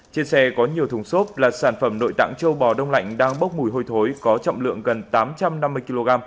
trên xe có nhiều thùng xốp là sản phẩm nội tạng châu bò đông lạnh đang bốc mùi hôi thối có trọng lượng gần tám trăm năm mươi kg